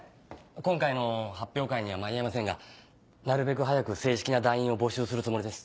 今回の発表会には間に合いませんがなるべく早く正式な団員を募集するつもりです。